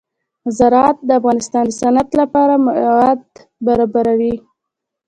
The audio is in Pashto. زراعت د افغانستان د صنعت لپاره مواد برابروي.